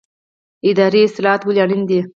اداري اصلاحات ولې اړین دي؟